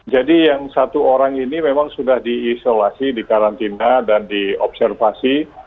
jadi yang satu orang ini memang sudah diisolasi dikarantina dan diobservasi